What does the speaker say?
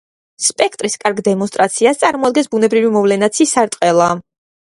სპექტრის კარგ დემონსტრაციას წარმოადგენს ბუნებრივი მოვლენა ცისარტყელა.